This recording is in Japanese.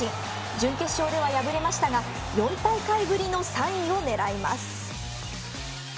準決勝では敗れましたが４大会ぶりの３位を狙います。